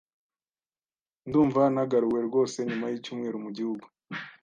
Ndumva nagaruwe rwose nyuma yicyumweru mugihugu.